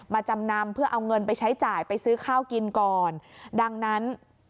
จำนำเพื่อเอาเงินไปใช้จ่ายไปซื้อข้าวกินก่อนดังนั้น